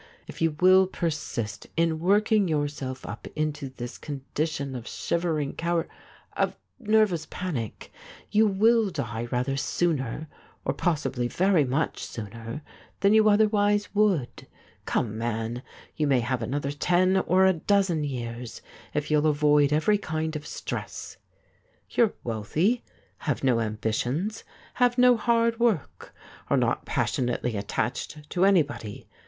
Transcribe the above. If you will persist in working yourself up into this condition of shivering cowar — of nervous panic, you will die rather sooner, or possibly very much sooner, than you otherwise would. Come, man, you may have another ten or a dozen years, if you'll avoid every kind of stress. You're wealthy, have no ambitions, have no hard work, are not passionately attached to anybody.